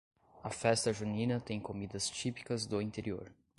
A Festa junina tem comidas típicas do interior